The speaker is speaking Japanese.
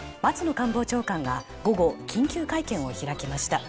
官房長官は午後緊急会見を開きました。